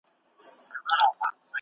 تاسو کله د فولکلور کیسې لولي؟